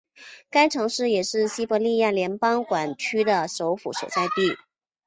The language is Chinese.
该城市也是西伯利亚联邦管区的首府所在地。